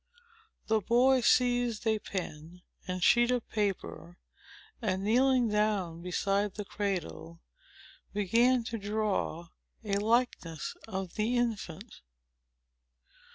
The boy seized a pen and sheet of paper, and kneeling down beside the cradle, began to draw a likeness of the infant.